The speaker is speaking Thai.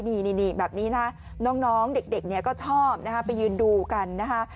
นี่แบบนี้นะน้องเด็กก็ชอบนะคะไปยืนดูกันนะคะ